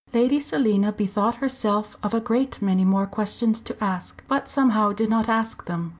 Lady Selina bethought herself of a great many more questions to ask, but somehow did not ask them.